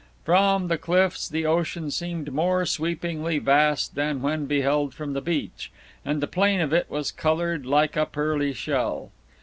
From the cliffs the ocean seemed more sweepingly vast than when beheld from the beach, and the plain of it was colored like a pearly shell.